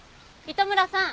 糸村さん。